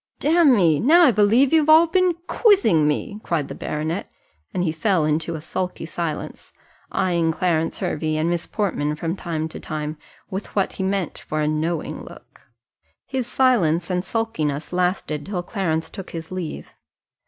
"Damme, now I believe you've all been quizzing me," cried the baronet, and he fell into a sulky silence, eyeing Clarence Hervey and Miss Portman from time to time with what he meant for a knowing look. His silence and sulkiness lasted till Clarence took his leave.